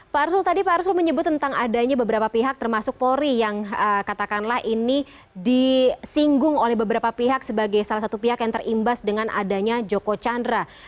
pak arsul tadi pak arsul menyebut tentang adanya beberapa pihak termasuk polri yang katakanlah ini disinggung oleh beberapa pihak sebagai salah satu pihak yang terimbas dengan adanya joko chandra